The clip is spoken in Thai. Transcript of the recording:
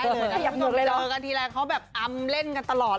หนุ่มเจอกันทีแรกเขาแบบอำเล่นกันตลอด